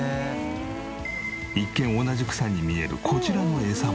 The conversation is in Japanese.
一見同じ草に見えるこちらのエサも。